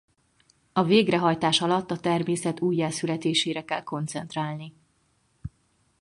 A végrehajtás alatt a természet újjászületésére kell koncentrálni.